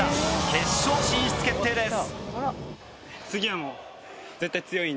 決勝進出決定です。